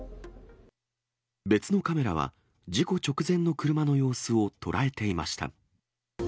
別のカメラは、事故直前の車の様子を捉えていました。